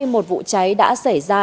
một vụ cháy đã xảy ra